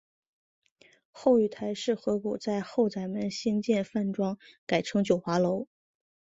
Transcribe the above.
后与邰氏合股在后宰门兴建饭庄改称九华楼。